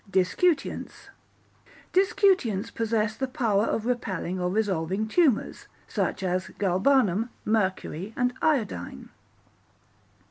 Discutients Discutients possess the power of repelling or resolving tumours, such as galbanum, mercury, and iodine.